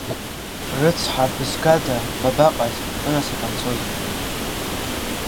Рыцҳа, бызгада, бабаҟаз, бынасыԥ анцоз?